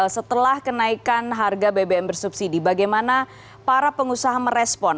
setelah kenaikan harga bbm bersubsidi bagaimana para pengusaha merespon